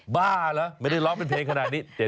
บ้าเหรอไม่ได้ร้องเป็นเพลงขนาดนี้